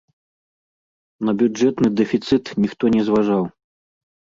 На бюджэтны дэфіцыт ніхто не зважаў.